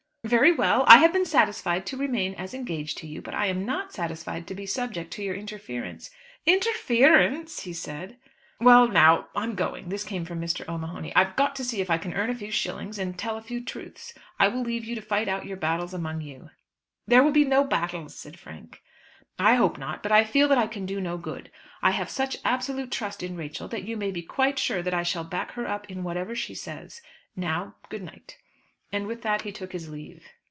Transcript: "Very well; I have been satisfied to remain as engaged to you; but I am not satisfied to be subject to your interference." "Interference!" he said. "Well now; I'm going." This came from Mr. O'Mahony. "I've got to see if I can earn a few shillings, and tell a few truths. I will leave you to fight out your battles among you." "There will be no battles," said Frank. "I hope not, but I feel that I can do no good. I have such absolute trust in Rachel, that you may be quite sure that I shall back her up in whatever she says. Now, good night," and with that he took his leave.